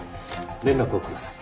連絡をください。